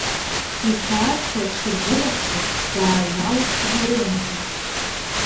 Иқьаадқәа дшыргәылаԥшуаз, дааҩналеит Лурентиа.